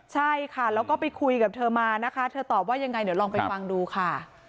ใช่ค่ะแล้วก็ไปคุยกับเธอมานะคะเธอตอบว่ายังไงเดี๋ยวลองไปฟังดูค่ะ